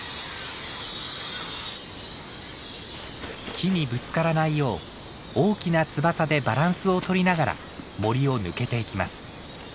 木にぶつからないよう大きな翼でバランスを取りながら森を抜けていきます。